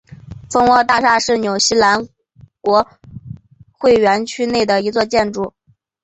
蜂窝大厦是纽西兰国会园区内的一座建筑。